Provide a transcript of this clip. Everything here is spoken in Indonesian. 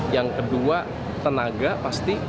yang kedua tenaga pasti